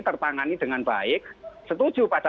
tertangani dengan baik setuju pada